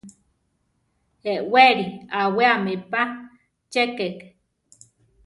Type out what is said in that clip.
Eʼwéli awéame pa che kéke.